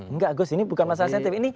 enggak gus ini bukan masalah sensitif